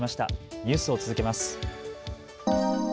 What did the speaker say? ニュースを続けます。